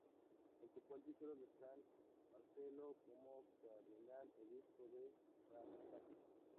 Ocupó el título de San Marcelo como cardenal obispo de Frascati.